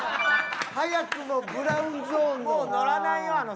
早くもブラウンゾーンの。